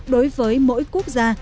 đối với mỗi quốc gia